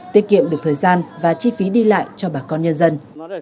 tiết kiệm được thời gian và chi phí đi lại cho bà con nhân dân